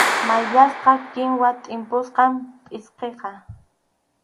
Mayllasqa kinwa tʼimpusqam pʼsqiqa.